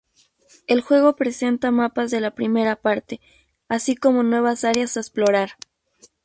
El juego presenta mapas de la primera parte, así como nuevas áreas a explorar.